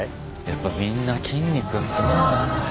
やっぱみんな筋肉がすごいな。